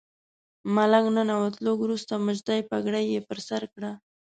ملک ننوت، لږ وروسته مشدۍ پګړۍ یې پر سر کړه.